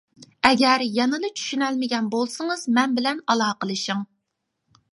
ئەگەر يەنىلا چۈشىنەلمىگەن بولسىڭىز مەن بىلەن ئالاقىلىشىڭ.